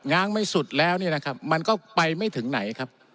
้างไม่สุดแล้วเนี่ยนะครับมันก็ไปไม่ถึงไหนครับ